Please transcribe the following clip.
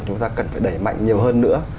chúng ta cần phải đẩy mạnh nhiều hơn nữa